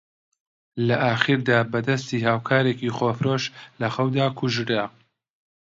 لە ئاخریدا بە دەستی هاوکارێکی خۆفرۆش لە خەودا کوژرا